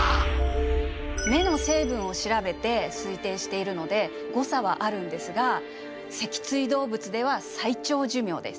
目の成分を調べて推定しているので誤差はあるんですが脊椎動物では最長寿命です。